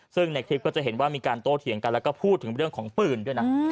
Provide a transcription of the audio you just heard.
ซึ่งในคลิปก็จะเห็นว่ามีการโต้เถียงกันแล้วก็พูดถึงเรื่องของปืนด้วยนะ